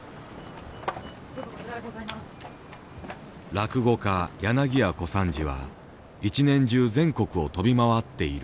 落語家柳家小三治は一年中全国を飛び回っている。